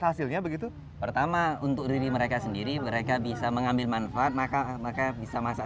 hasilnya begitu pertama untuk diri mereka sendiri mereka bisa mengambil manfaat maka bisa masak